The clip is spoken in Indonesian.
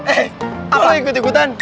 eh apa ikut ikutan